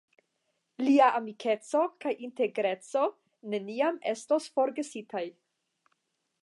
Lia amikeco kaj integreco neniam estos forgesitaj.